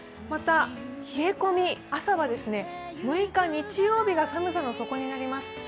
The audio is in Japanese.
また、冷え込み、朝は６日の日曜日が寒さの底になります。